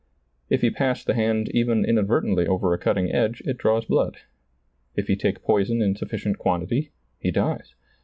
If he pass the hand even inadvertently over a cutting edge, it draws blood ; if he take poison in sufKcient quantity, he dies.